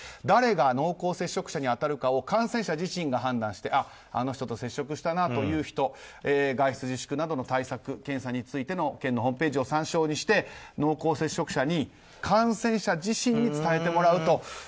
誰が濃厚接触者に当たるかを感染者自身が判断してあの人と接触したなという人に外出自粛などの対策検査について県のホームページを参考にして濃厚接触者に、感染者自身に伝えてもらうと。